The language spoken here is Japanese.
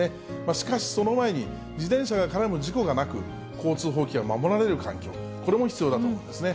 しかし、その前に、自転車が絡む事故がなく、交通法規が守られる環境、これも必要だと思うんですね。